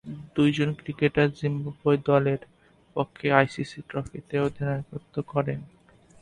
দুইজন cricketer Zimbabwe দলের পক্ষে আইসিসি ট্রফিতে অধিনায়কত্ব করেন।